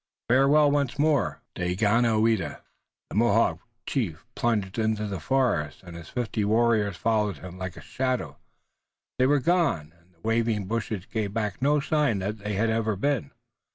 "Farewell once more, Daganoweda!" The Mohawk chief plunged into the forest, and his fifty warriors followed him. Like a shadow they were gone, and the waving bushes gave back no sign that they had ever been.